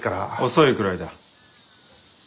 遅いくらいだ。